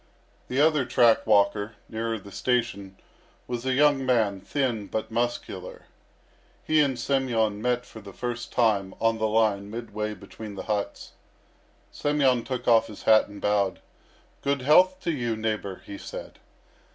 The other track walker, nearer the station, was a young man, thin, but muscular. He and Semyon met for the first time on the line midway between the huts. Semyon took off his hat and bowed. "Good health to you, neighbour," he said.